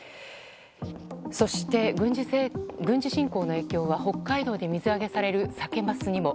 そして、軍事侵攻の影響は北海道で水揚げされるサケ・マスにも。